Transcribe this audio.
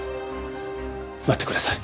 待ってください。